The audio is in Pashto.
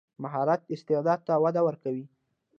مهارت استعداد ته وده ورکوي.